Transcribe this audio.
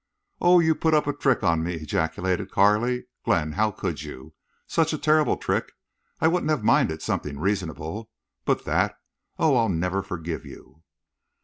"Oh! You put up a trick on me!" ejaculated Carley. "Glenn, how could you? ... Such a terrible trick! I wouldn't have minded something reasonable. But that! Oh, I'll never forgive you!"